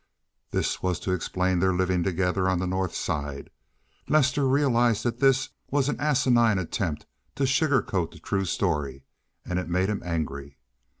This was to explain their living together on the North Side. Lester realized that this was an asinine attempt to sugar coat the true story and it made him angry.